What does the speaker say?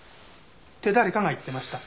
って誰かが言ってました。